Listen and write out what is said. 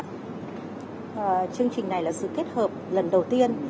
chương trình này là sự kết hợp lần đầu tiên